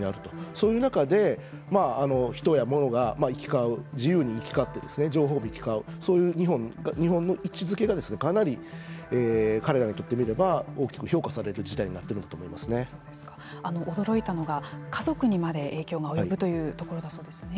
そういう中で人やものが行き交う自由に行き交って情報も行き交うそういう日本の位置づけがかなり彼らにとってみれば大きく評価される事態に驚いたのが家族にまで影響が及ぶというところですね。